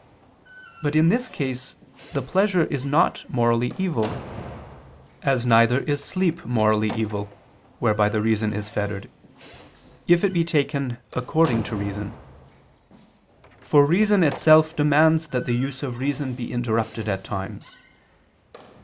But in this case the pleasure is not morally evil; as neither is sleep, whereby the reason is fettered, morally evil, if it be taken according to reason: for reason itself demands that the use of reason be interrupted at times.